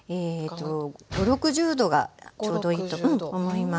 ５０６０度がちょうどいいと思います。